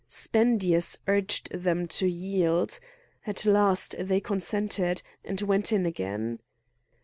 Spendius urged them to yield. At last they consented, and went in again.